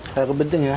kayak kepiting ya